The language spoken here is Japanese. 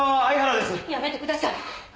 やめてください。